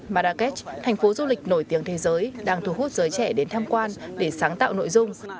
marrakesh thành phố du lịch nổi tiếng thế giới đang thu hút giới trẻ đến tham quan để sáng tạo nội dung